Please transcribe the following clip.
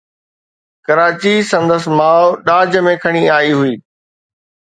ڪراچي سندس ماءُ ڏاج ۾ کڻي آئي هئي.